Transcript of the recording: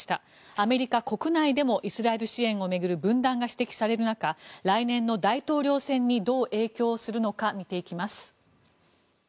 アメリカ国内でもイスラエル支援を巡る分断が指摘される中来年の大統領選にどう影響するのか見ていきます。